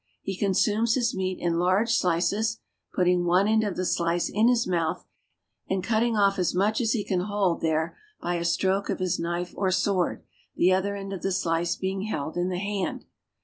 He consumes his meat in large slices, putting one end of the slice in his mouth and cutting off as much as he can hold there by a stroke of his knife or sword, the other end of the slice being held in the hand.